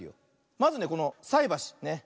まずねこのさいばし。